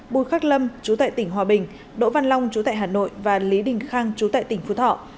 bùi khắc lâm chú tại tỉnh hòa bình đỗ văn long chú tại hà nội và lý đình khang chú tại tỉnh phú thọ